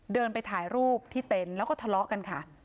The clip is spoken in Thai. เดินไปถ่ายรูปที่เต็นต์แล้วก็ทะเลาะกันค่ะ